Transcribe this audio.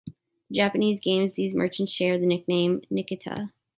In the Japanese games these merchants share the name Nikita.